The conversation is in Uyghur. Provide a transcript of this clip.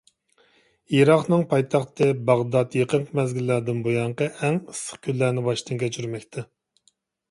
ئىراقنىڭ پايتەختى باغدات يېقىنقى مەزگىللەردىن بۇيانقى ئەڭ ئىسسىق كۈنلەرنى باشتىن كەچۈرمەكتە.